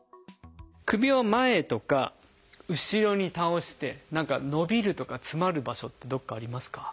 首を前とか後ろに倒して何か伸びるとか詰まる場所ってどこかありますか？